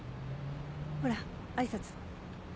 ほら挨拶。